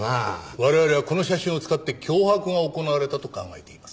我々はこの写真を使って脅迫が行われたと考えています。